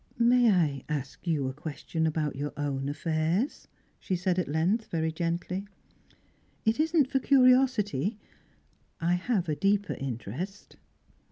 "May I ask you a question about your own affairs?" she said at length, very gently. "It isn't for curiosity. I have a deeper interest."